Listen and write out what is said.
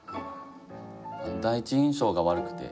第一印象が悪くて。